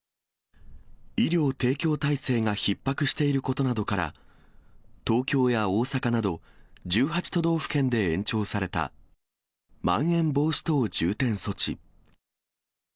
医療提供体制がひっ迫していることなどから、東京や大阪など、１８都道府県で延長された、まん延防止等重点措置。